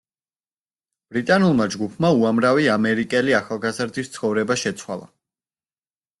ბრიტანულმა ჯგუფმა უამრავი ამერიკელი ახალგაზრდის ცხოვრება შეცვალა.